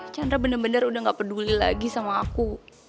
chandra bener bener udah gak peduli lagi sama aku